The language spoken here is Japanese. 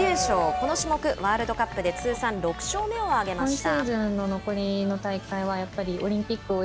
この種目ワールドカップで通算６勝目を挙げました。